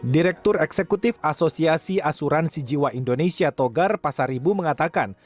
direktur eksekutif asosiasi asuransi jiwa indonesia togar pasaribu mengatakan